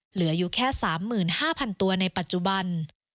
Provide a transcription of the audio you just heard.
เหลืออยู่แค่๓๕๐๐๐ตัวในปัจจุบัน